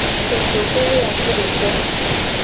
Kotokuwoasideke.